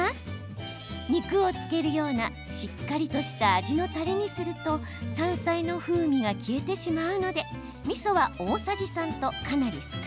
肉を漬けるようなしっかりとした味のたれにすると山菜の風味が消えてしまうのでみそは大さじ３とかなり少なめ。